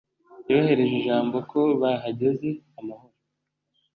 Yohereje ijambo ko bahageze amahoro.